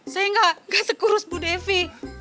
saya nggak sekurus bu devi